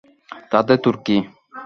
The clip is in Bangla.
তাতে তোর কী?